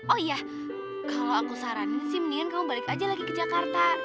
oh iya kalau aku saran si mendingan kamu balik aja lagi ke jakarta